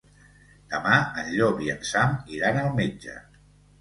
Demà en Llop i en Sam iran al metge.